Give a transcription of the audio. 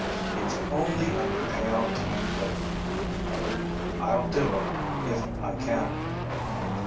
"If only I can pay off Tom Rover," he muttered. "I'll do it if I can."